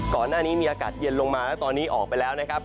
ก่อนหน้านี้มีอากาศเย็นลงมาแล้วตอนนี้ออกไปแล้วนะครับ